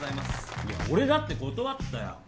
いや俺だって断ったよ。